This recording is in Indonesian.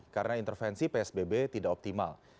karena intervensi psbb tidak optimal